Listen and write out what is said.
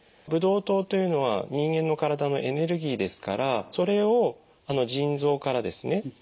ブドウ糖というのは人間の体のエネルギーですからそれを腎臓からですね